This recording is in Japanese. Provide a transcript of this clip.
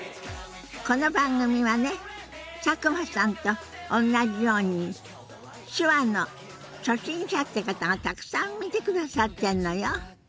この番組はね佐久間さんとおんなじように手話の初心者って方がたくさん見てくださってんのよ。